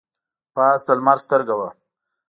پاس د لمر سترګه وه.